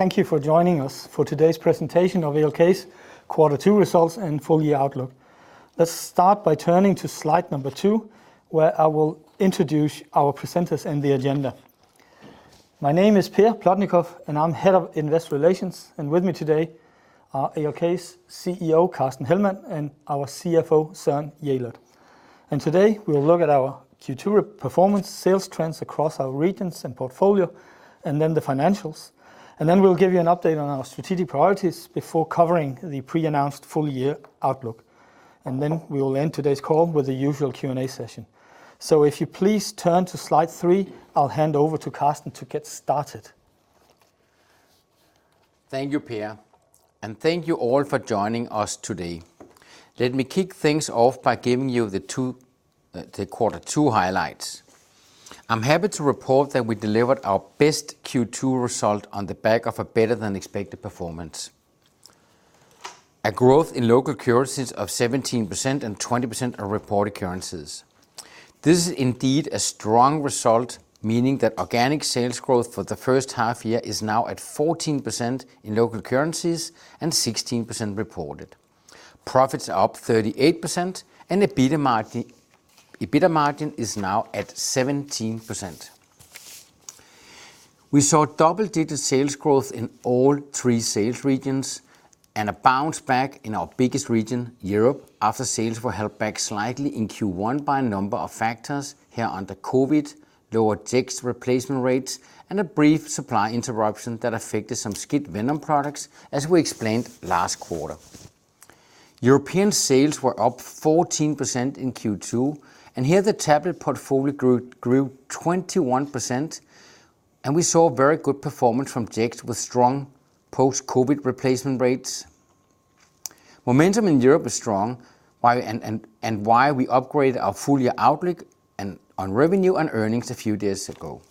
Thank you for joining us for today's presentation of ALK's quarter two results and full year outlook. Let's start by turning to slide number 2, where I will introduce our presenters and the agenda. My name is Per Plotnikof, and I'm Head of Investor Relations. With me today are ALK's CEO, Carsten Hellmann, and our CFO, Søren Jelert. Today, we'll look at our Q2 performance sales trends across our regions and portfolio and then the financials. Then we'll give you an update on our strategic priorities before covering the pre-announced full year outlook. Then we will end today's call with the usual Q&A session. If you please turn to slide 3, I'll hand over to Carsten to get started. Thank you, Per, and thank you all for joining us today. Let me kick things off by giving you the Q2 highlights. I'm happy to report that we delivered our best Q2 result on the back of a better than expected performance. A growth in local currencies of 17% and 20% in reported currencies. This is indeed a strong result, meaning that organic sales growth for the first half year is now at 14% in local currencies and 16% reported. Profits are up 38%, and the EBITDA margin is now at 17%. We saw double-digit sales growth in all three sales regions and a bounce back in our biggest region, Europe, after sales were held back slightly in Q1 by a number of factors, including COVID, lower Jext replacement rates, and a brief supply interruption that affected some SCIT venom products, as we explained last quarter. European sales were up 14% in Q2, and the tablet portfolio grew 21%, and we saw very good performance from Jext with strong post-COVID replacement rates. Momentum in Europe is strong, which is why we upgraded our full-year outlook on revenue and earnings a few days ago.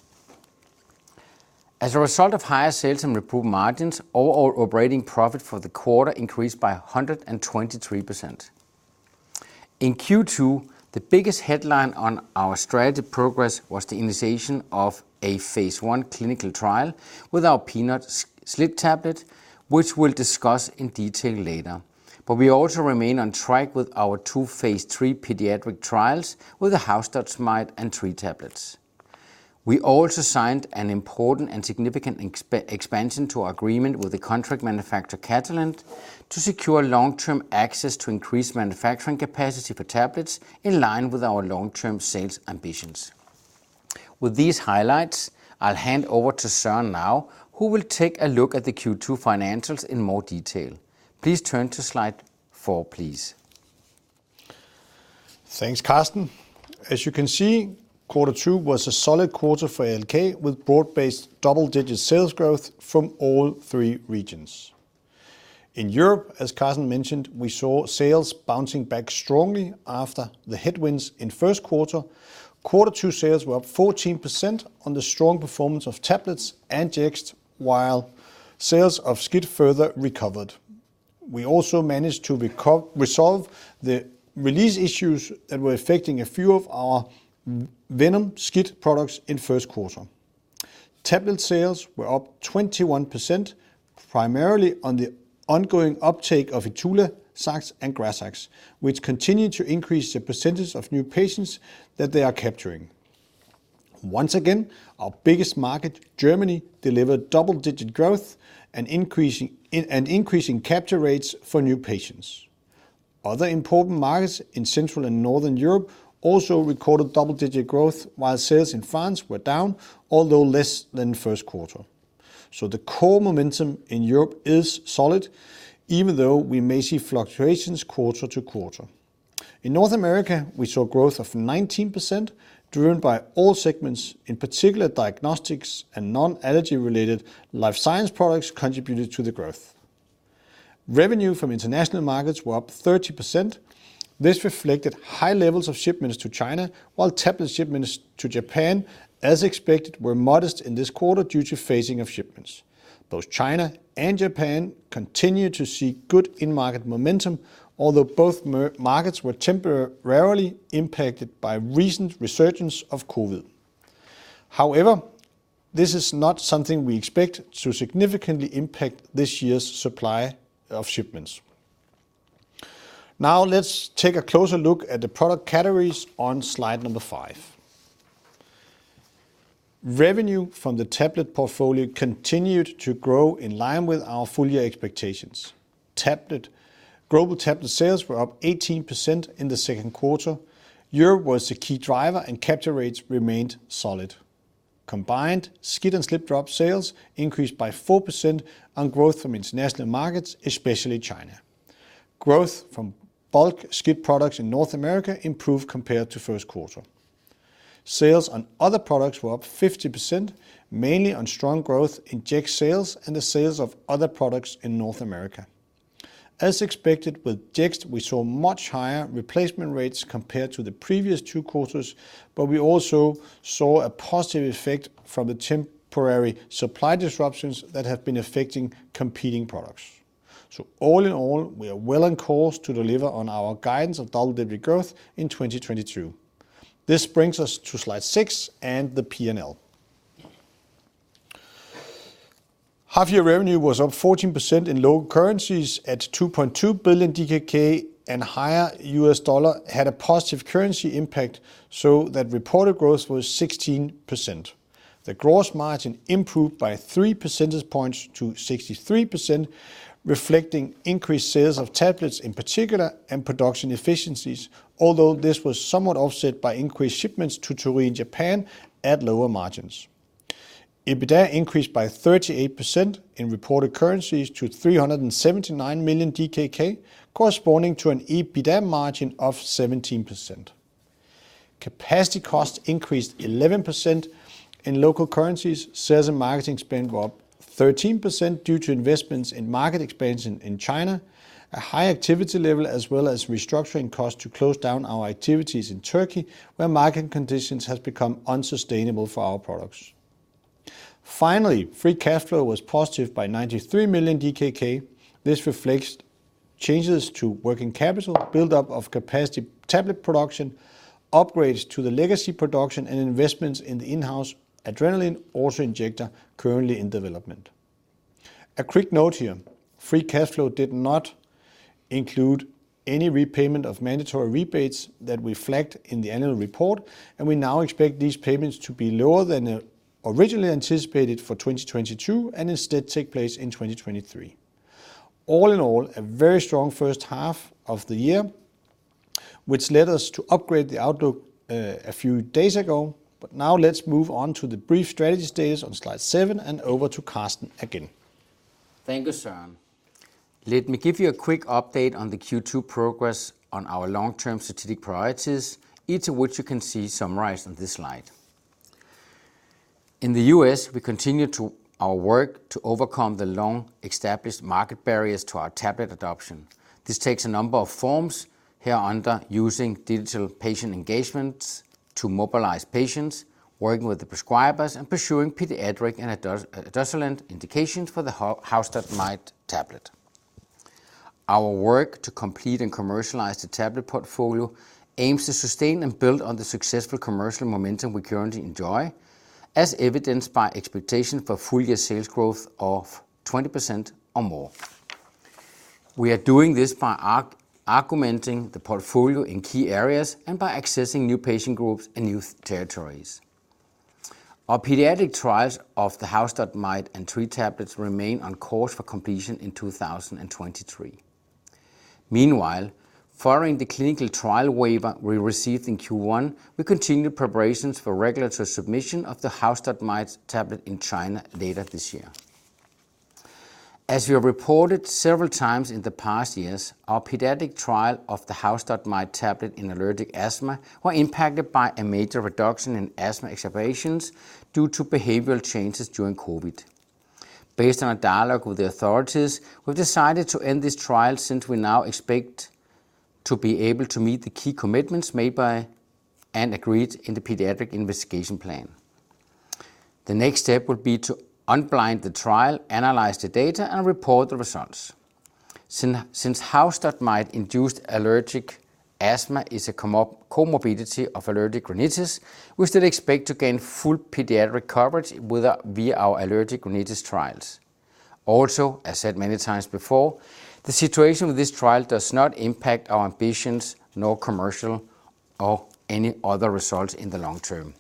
As a result of higher sales and improved margins, overall operating profit for the quarter increased by 123%. In Q2, the biggest headline on our strategy progress was the initiation of a phase 1 clinical trial with our peanut SLIT tablet, which we'll discuss in detail later. We also remain on track with our two phase 3 pediatric trials with the house dust mite and tree tablets. We also signed an important and significant expansion to our agreement with the contract manufacturer Catalent to secure long-term access to increased manufacturing capacity for tablets in line with our long-term sales ambitions. With these highlights, I'll hand over to Søren now, who will take a look at the Q2 financials in more detail. Please turn to slide four, please. Thanks, Carsten. As you can see, quarter two was a solid quarter for ALK, with broad-based double-digit sales growth from all three regions. In Europe, as Carsten mentioned, we saw sales bouncing back strongly after the headwinds in first quarter. Quarter two sales were up 14% on the strong performance of tablets and Jext, while sales of SCIT further recovered. We also managed to resolve the release issues that were affecting a few of our venom SCIT products in first quarter. Tablet sales were up 21%, primarily on the ongoing uptake of ITULAZAX, ACARIZAX and GRAZAX, which continue to increase the percentage of new patients that they are capturing. Once again, our biggest market, Germany, delivered double-digit growth and increasing capture rates for new patients. Other important markets in Central and Northern Europe also recorded double-digit growth, while sales in France were down, although less than first quarter. The core momentum in Europe is solid, even though we may see fluctuations quarter to quarter. In North America, we saw growth of 19% driven by all segments. In particular, diagnostics and non-allergy-related life science products contributed to the growth. Revenue from international markets were up 30%. This reflected high levels of shipments to China, while tablet shipments to Japan, as expected, were modest in this quarter due to phasing of shipments. Both China and Japan continue to see good in-market momentum, although both markets were temporarily impacted by recent resurgence of COVID. However, this is not something we expect to significantly impact this year's supply of shipments. Now let's take a closer look at the product categories on slide number 5. Revenue from the tablet portfolio continued to grow in line with our full year expectations. Global tablet sales were up 18% in the second quarter. Europe was the key driver and capture rates remained solid. Combined, SCIT and SLIT-drops sales increased by 4% on growth from international markets, especially China. Growth from bulk SCIT products in North America improved compared to first quarter. Sales of other products were up 50%, mainly on strong growth in Jext sales and the sales of other products in North America. As expected with Jext, we saw much higher replacement rates compared to the previous two quarters, but we also saw a positive effect from the temporary supply disruptions that have been affecting competing products. All in all, we are well on course to deliver on our guidance of double-digit growth in 2022. This brings us to slide 6 and the P&L. Half year revenue was up 14% in local currencies at 2.2 billion DKK, and higher US dollar had a positive currency impact so that reported growth was 16%. The gross margin improved by 3 percentage points to 63% reflecting increased sales of tablets in particular and production efficiencies. Although this was somewhat offset by increased shipments to Torii in Japan at lower margins. EBITDA increased by 38% in reported currencies to 379 million DKK, corresponding to an EBITDA margin of 17%. Capacity costs increased 11% in local currencies. Sales and marketing spend were up 13% due to investments in market expansion in China, a high activity level, as well as restructuring costs to close down our activities in Turkey, where market conditions has become unsustainable for our products. Finally, free cash flow was positive by 93 million DKK. This reflects changes to working capital, build-up of capacity tablet production, upgrades to the legacy production, and investments in the in-house adrenaline auto-injector currently in development. A quick note here. Free cash flow did not include any repayment of mandatory rebates that we flagged in the annual report, and we now expect these payments to be lower than originally anticipated for 2022 and instead take place in 2023. All in all, a very strong first half of the year, which led us to upgrade the outlook a few days ago. Now let's move on to the brief strategy stage on slide 7 and over to Carsten again. Thank you, Søren. Let me give you a quick update on the Q2 progress on our long-term strategic priorities, each of which you can see summarized on this slide. In the U.S., we continue with our work to overcome the long-established market barriers to our tablet adoption. This takes a number of forms, hereunder using digital patient engagements to mobilize patients, working with the prescribers, and pursuing pediatric and adult indications for the house dust mite tablet. Our work to complete and commercialize the tablet portfolio aims to sustain and build on the successful commercial momentum we currently enjoy, as evidenced by expectations for full-year sales growth of 20% or more. We are doing this by augmenting the portfolio in key areas and by accessing new patient groups and new territories. Our pediatric trials of the house dust mite and tree tablets remain on course for completion in 2023. Meanwhile, following the clinical trial waiver we received in Q1, we continued preparations for regulatory submission of the house dust mite tablet in China later this year. As we have reported several times in the past years, our pediatric trial of the house dust mite tablet in allergic asthma were impacted by a major reduction in asthma exacerbations due to behavioral changes during COVID. Based on a dialogue with the authorities, we've decided to end this trial since we now expect to be able to meet the key commitments made by and agreed in the pediatric investigation plan. The next step will be to unblind the trial, analyze the data, and report the results. Since house dust mite-induced allergic asthma is a comorbidity of allergic rhinitis, we still expect to gain full pediatric coverage with via our allergic rhinitis trials. Also, as said many times before, the situation with this trial does not impact our ambitions, nor commercial or any other results in the long term.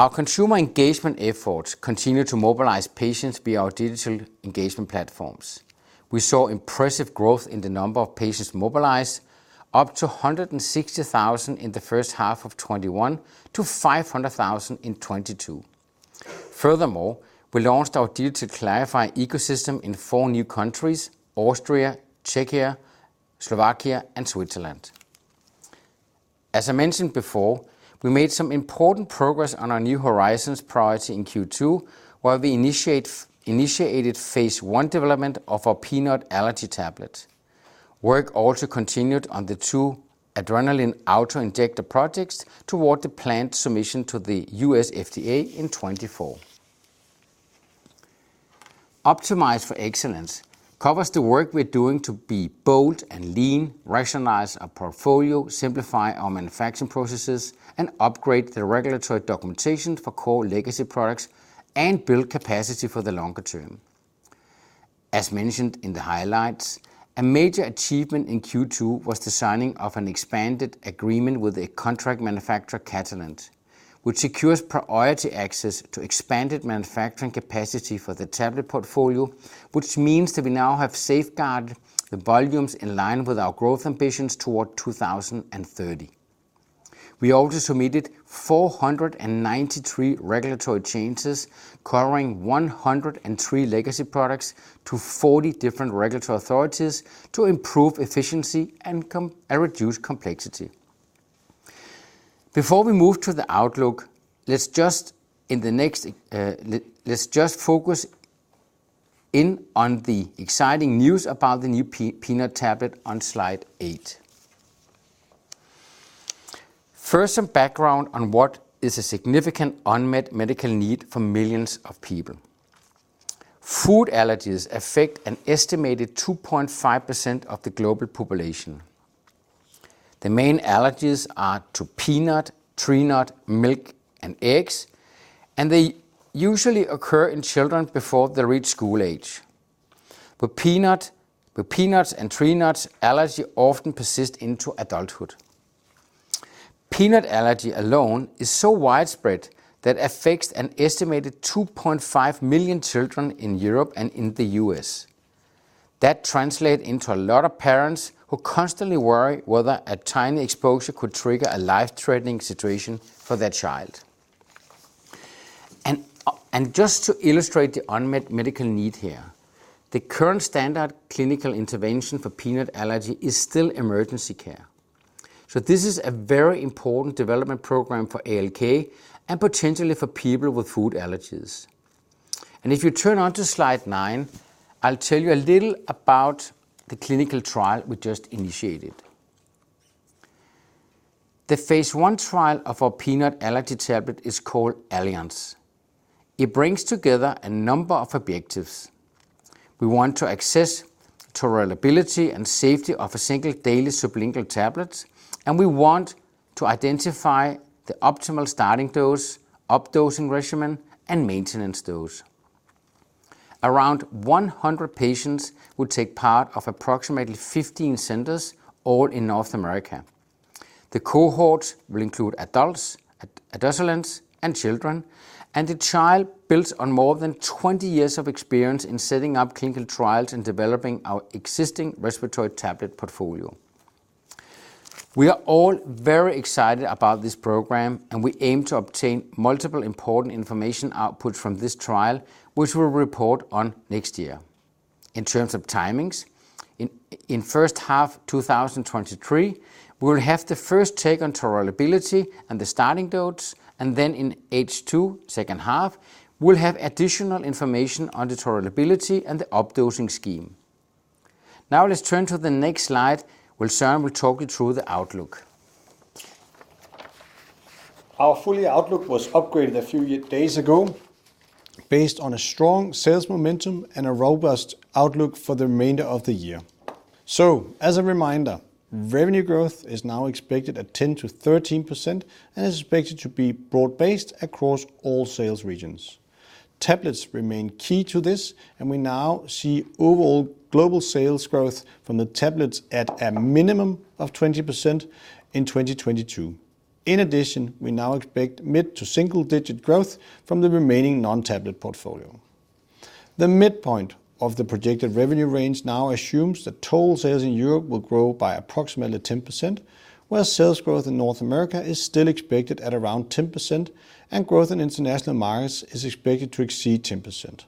Our consumer engagement efforts continue to mobilize patients via our digital engagement platforms. We saw impressive growth in the number of patients mobilized up to 160,000 in the first half of 2021 to 500,000 in 2022. Furthermore, we launched our digital klarify ecosystem in four new countries: Austria, Czechia, Slovakia, and Switzerland. As I mentioned before, we made some important progress on our New Horizons priority in Q2, where we initiated phase 1 development of our peanut allergy tablet. Work also continued on the two adrenaline auto-injector projects toward the planned submission to the U.S. FDA in 2024. Optimize for excellence covers the work we're doing to be bold and lean, rationalize our portfolio, simplify our manufacturing processes, and upgrade the regulatory documentation for core legacy products and build capacity for the longer term. As mentioned in the highlights, a major achievement in Q2 was the signing of an expanded agreement with a contract manufacturer, Catalent, which secures priority access to expanded manufacturing capacity for the tablet portfolio, which means that we now have safeguarded the volumes in line with our growth ambitions toward 2030. We also submitted 493 regulatory changes covering 103 legacy products to 40 different regulatory authorities to improve efficiency and reduce complexity. Before we move to the outlook, let's just in the next, let's just focus in on the exciting news about the new peanut tablet on slide eight. First, some background on what is a significant unmet medical need for millions of people. Food allergies affect an estimated 2.5% of the global population. The main allergies are to peanut, tree nut, milk, and eggs, and they usually occur in children before they reach school age. But peanuts and tree nuts allergy often persist into adulthood. Peanut allergy alone is so widespread that affects an estimated 2.5 million children in Europe and in the U.S. That translate into a lot of parents who constantly worry whether a tiny exposure could trigger a life-threatening situation for their child. Just to illustrate the unmet medical need here, the current standard clinical intervention for peanut allergy is still emergency care. This is a very important development program for ALK, and potentially for people with food allergies. If you turn to slide 9, I'll tell you a little about the clinical trial we just initiated. The phase one trial of our peanut allergy tablet is called ALLIANCE. It brings together a number of objectives. We want to assess tolerability and safety of a single daily sublingual tablet, and we want to identify the optimal starting dose, updosing regimen, and maintenance dose. Around 100 patients will take part in approximately 15 centers, all in North America. The cohorts will include adults, adolescents, and children, and the trial builds on more than 20 years of experience in setting up clinical trials and developing our existing respiratory tablet portfolio. We are all very excited about this program, and we aim to obtain multiple important information output from this trial, which we'll report on next year. In terms of timings, in first half 2023, we'll have the first take on tolerability and the starting dose, and then in H2, second half, we'll have additional information on the tolerability and the updosing scheme. Now let's turn to the next slide, where Søren will talk you through the outlook. Our full-year outlook was upgraded a few days ago based on a strong sales momentum and a robust outlook for the remainder of the year. As a reminder, revenue growth is now expected at 10%-13% and is expected to be broad-based across all sales regions. Tablets remain key to this, and we now see overall global sales growth from the tablets at a minimum of 20% in 2022. In addition, we now expect mid- to single-digit growth from the remaining non-tablet portfolio. The midpoint of the projected revenue range now assumes that total sales in Europe will grow by approximately 10%, while sales growth in North America is still expected at around 10%, and growth in international markets is expected to exceed 10%.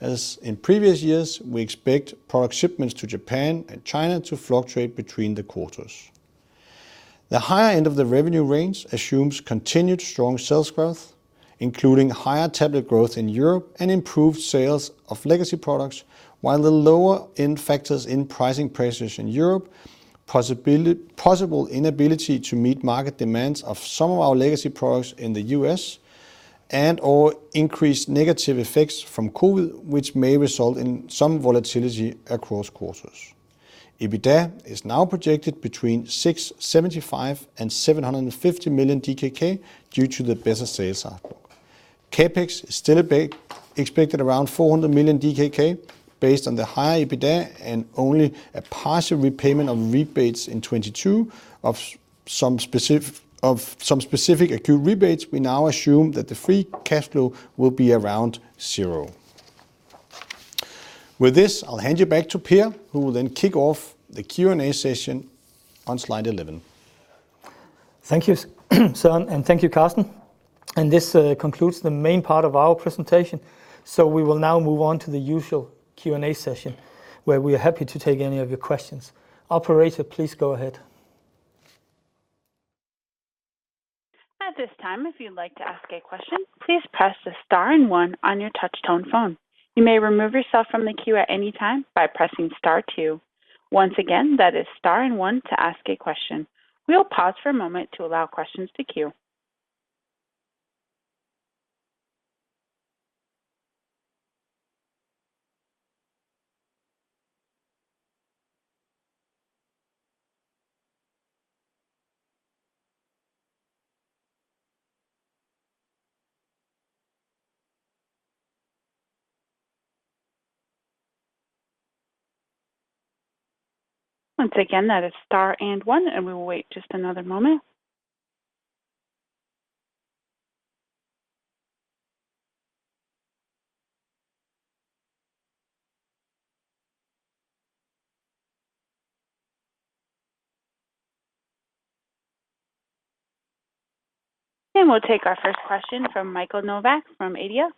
As in previous years, we expect product shipments to Japan and China to fluctuate between the quarters. The higher end of the revenue range assumes continued strong sales growth, including higher tablet growth in Europe and improved sales of legacy products, while the lower end factors in pricing pressures in Europe, possible inability to meet market demands of some of our legacy products in the US and/or increased negative effects from COVID, which may result in some volatility across quarters. EBITDA is now projected between 675 million and 750 million DKK due to the better sales outlook. CapEx is still expected around 400 million DKK based on the higher EBITDA and only a partial repayment of rebates in 2022 of some specific acute rebates, we now assume that the free cash flow will be around 0. With this, I'll hand you back to Per, who will then kick off the Q&A session on slide 11. Thank you, Søren, and thank you, Carsten. This concludes the main part of our presentation, so we will now move on to the usual Q&A session, where we are happy to take any of your questions. Operator, please go ahead. At this time, if you'd like to ask a question, please press the star and one on your touch tone phone. You may remove yourself from the queue at any time by pressing star two. Once again, that is star and one to ask a question. We'll pause for a moment to allow questions to queue. Once again, that is star and one, and we will wait just another moment. We'll take our first question from Michael Novod from Nordea Markets.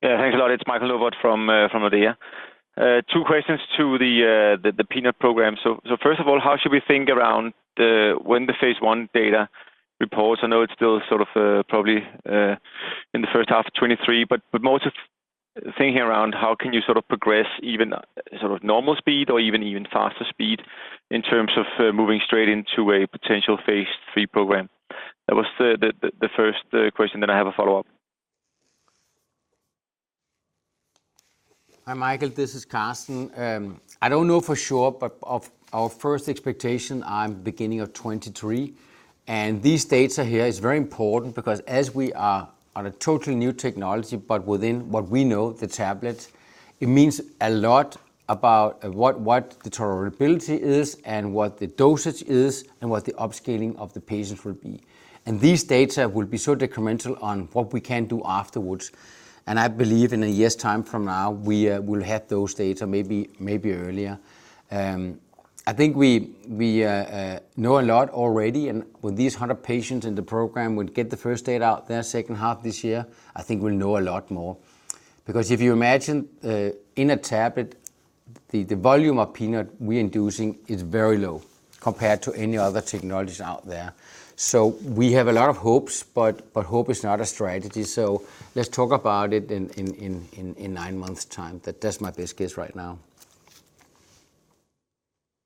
Yeah, thanks a lot. It's Michael Novod from Nordea Markets. Two questions to the peanut program. First of all, how should we think around the when the phase 1 data reports? I know it's still sort of probably in the first half of 2023, but most of thinking around how can you sort of progress even sort of normal speed or even faster speed in terms of moving straight into a potential phase 3 program. That was the first question, then I have a follow-up. Hi, Michael, this is Carsten. I don't know for sure, but of our first expectation on beginning of 2023. These data here is very important because as we are on a totally new technology, but within what we know, the tablets, it means a lot about what the tolerability is and what the dosage is and what the upscaling of the patients will be. These data will be so incremental on what we can do afterwards. I believe in a year's time from now, we will have those data, maybe earlier. I think we know a lot already, and with these 100 patients in the program, we'd get the first data out there second half this year, I think we'll know a lot more. Because if you imagine, in a tablet, the volume of peanut we're inducing is very low compared to any other technologies out there. We have a lot of hopes, but hope is not a strategy. Let's talk about it in nine months time. That's my best guess right now.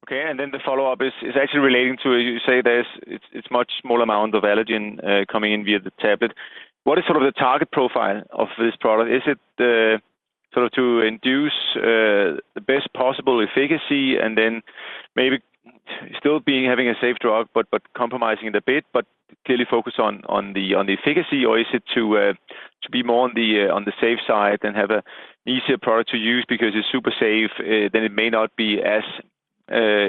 The follow-up is actually relating to what you say there's a much smaller amount of allergen coming in via the tablet. What is sort of the target profile of this product? Is it sort of to induce the best possible efficacy and then maybe still having a safe drug, but compromising it a bit, but clearly focus on the efficacy? Or is it to be more on the safe side and have an easier product to use because it's super safe, then it may not be as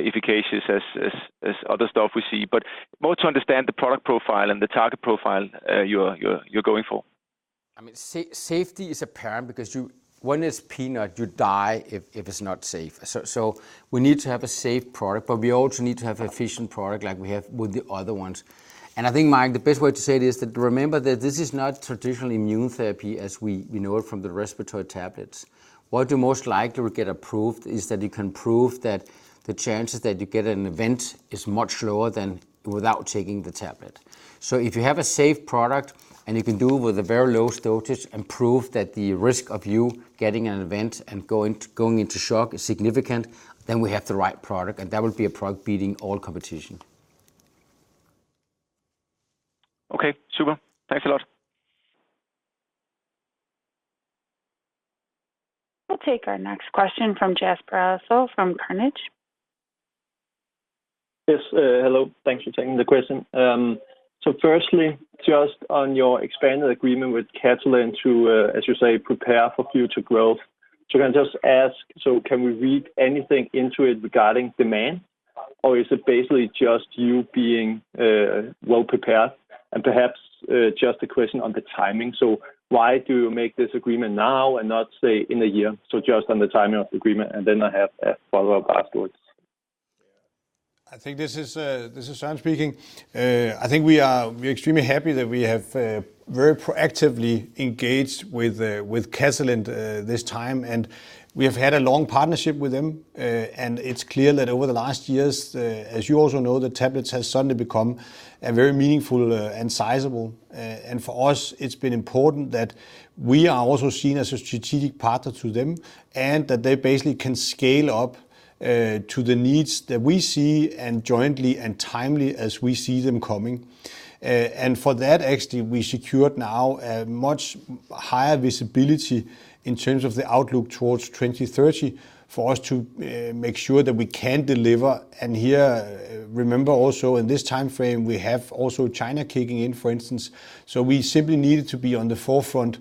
efficacious as other stuff we see? More to understand the product profile and the target profile you're going for. I mean, safety is apparent because you, when it's peanut, you die if it's not safe. We need to have a safe product, but we also need to have efficient product like we have with the other ones. I think, Mike, the best way to say it is that remember that this is not traditional immune therapy as we know it from the respiratory tablets. What you most likely will get approved is that you can prove that the chances that you get an event is much lower than without taking the tablet. If you have a safe product, and you can do with a very low dosage and prove that the risk of you getting an event and going into shock is significant, then we have the right product, and that would be a product beating all competition. Okay, super. Thanks a lot. We'll take our next question from Jesper Ilsøe from Carnegie. Yes. Hello. Thanks for taking the question. Firstly, just on your expanded agreement with Catalent to, as you say, prepare for future growth. Can I just ask, can we read anything into it regarding demand, or is it basically just you being well prepared? Perhaps, just a question on the timing. Why do you make this agreement now and not say in a year? Just on the timing of the agreement, and then I have a follow-up afterwards. I think this is Søren Jelert speaking. I think we are extremely happy that we have very proactively engaged with Catalent this time, and we have had a long partnership with them. It's clear that over the last years, as you also know, that tablets have suddenly become very meaningful and sizable. For us, it's been important that we are also seen as a strategic partner to them, and that they basically can scale up to the needs that we see and jointly and timely as we see them coming. For that, actually, we secured now a much higher visibility in terms of the outlook towards 2030 for us to make sure that we can deliver. Here, remember also in this timeframe, we have also China kicking in, for instance. We simply needed to be on the forefront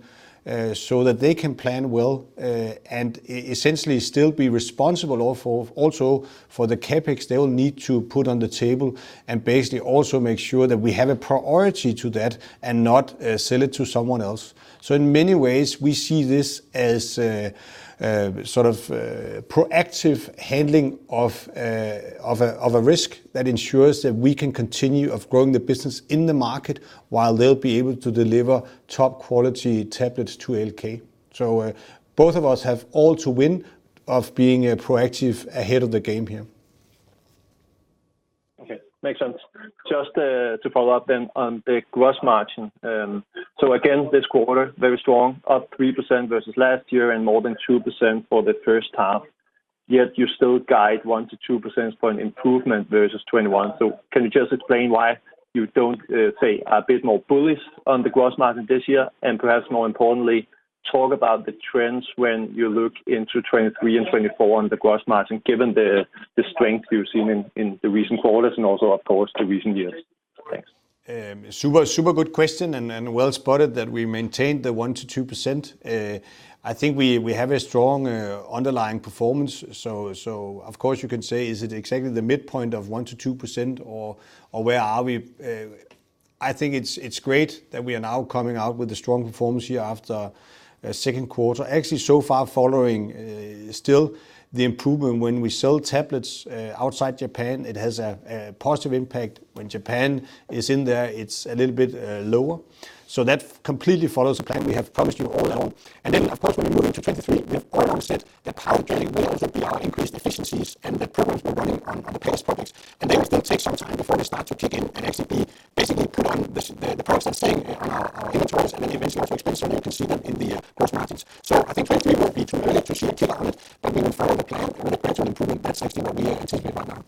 so that they can plan well and essentially still be responsible also for the CapEx they will need to put on the table and basically also make sure that we have a priority to that and not sell it to someone else. In many ways, we see this as a sort of proactive handling of a risk that ensures that we can continue growing the business in the market while they'll be able to deliver top quality tablets to ALK. Both of us have a lot to win from being proactive ahead of the game here. Okay. Makes sense. Just to follow up on the gross margin. Again, this quarter, very strong, up 3% versus last year and more than 2% for the first half, yet you still guide 1%-2% for an improvement versus 2021. Can you just explain why you don't say a bit more bullish on the gross margin this year? And perhaps more importantly, talk about the trends when you look into 2023 and 2024 on the gross margin, given the strength you've seen in the recent quarters and also, of course, the recent years. Thanks. Super good question, and well spotted that we maintained the 1%-2%. I think we have a strong underlying performance. Of course you can say, is it exactly the midpoint of 1%-2% or where are we? I think it's great that we are now coming out with a strong performance here after second quarter. Actually, so far following still the improvement when we sell tablets outside Japan, it has a positive impact. When Japan is in there, it's a little bit lower. That completely follows the plan we have promised you all along. Of course, when we move into 2023, we have all along said the powering will also be our increased efficiencies and the programs we're running on the past products. They will still take some time before they start to kick in and actually be basically put on the the products are staying on our inventories and then eventually also expressed so you can see them in the gross margins. I think 2023 will be too early to see a kicker on it, but we will follow the plan with a gradual improvement. That's actually what we are anticipating right now.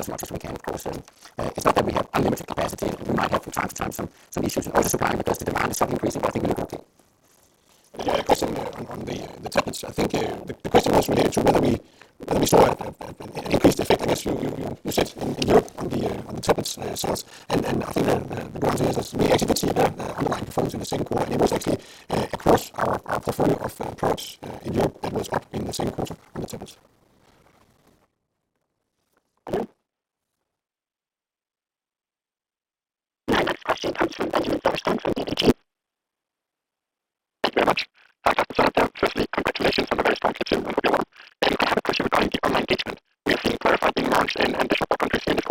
as much as we can, of course. It's not that we have unlimited capacity. We might have from time to time some issues in other supply, but as the demand is so increasing, I think we look okay. Yeah, a question on the tablets. I think the question was related to whether we saw an increased effect, I guess, you said in Europe on the tablets sales. I think the answer to this is we actually did see a better underlying performance in the second quarter, and it was actually across our portfolio of products in Europe that was up in the second quarter on the tablets. Hello? My next question comes from Benjamin Jackson from Jefferies. Thank you very much. Hi, Carsten. Firstly, congratulations on the very strong Q2 and overall. I have a question regarding the online engagement. We have seen klarify being launched in additional four countries during